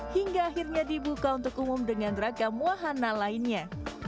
hingga akhirnya dibuka untuk umum dengan ragam wahana lainnya